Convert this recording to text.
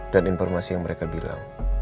dan informasi yang mereka bilang